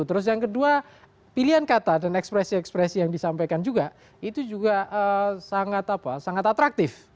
terus yang kedua pilihan kata dan ekspresi ekspresi yang disampaikan juga itu juga sangat atraktif